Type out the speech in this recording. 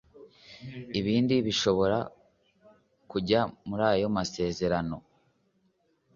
ibindi bishobora kujya muri ayo masezerano